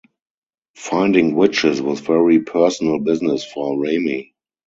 Finding witches was very personal business for Remy.